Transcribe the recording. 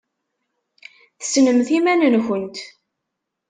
Tessnemt iman-nkent.